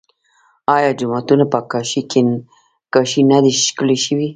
آیا جوماتونه په کاشي نه دي ښکلي شوي؟